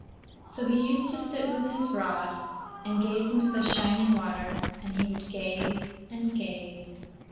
So he used to sit with his rod and gaze into the shining water; and he would gaze and gaze.